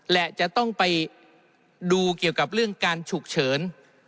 และจะต้องไปดูเกี่ยวกับเรื่องการฉุกเฉิน